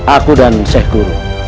aku dan syekh guru